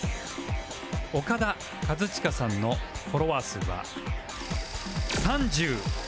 オカダ・カズチカさんのフォロワー数は